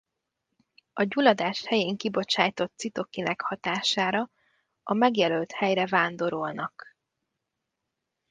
A gyulladás helyén kibocsátott citokinek hatására a megjelölt helyre vándorolnak.